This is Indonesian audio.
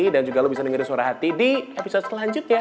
dan juga lo bisa dengerin suara hati di episode selanjutnya